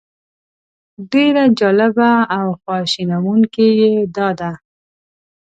ډېره جالبه او خواشینونکې یې دا ده.